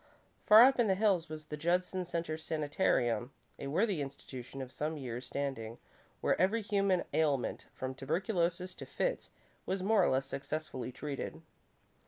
Far up in the hills was the Judson Centre Sanitarium, a worthy institution of some years standing, where every human ailment from tuberculosis to fits was more or less successfully treated.